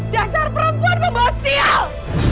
dasar perempuan pemohon sial